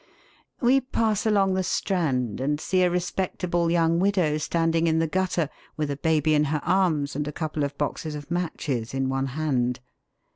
We pass along the Strand and see a respectable young widow standing in the gutter, with a baby in her arms and a couple of boxes of matches in one hand.